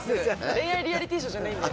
恋愛リアリティーショーじゃないんで。